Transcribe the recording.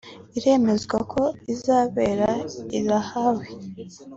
Haremezwa ko izabera i La Haye (Den Haag) (The Hague)